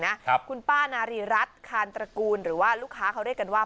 ครับคุณป้านารีรัฐคานตระกูลหรือว่าลูกค้าเขาเรียกกันว่า